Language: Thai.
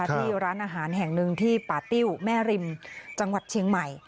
ที่ร้านอาหารแห่งหนึ่งที่ป่าติ้วแม่ริมจังหวัดเชียงใหม่